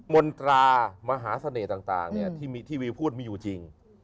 มนตรามหาเสน่ห์ต่างที่วิวพูดมีอยู่จริง